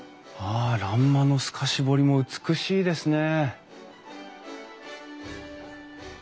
あ欄間の透かし彫りも美しいですね！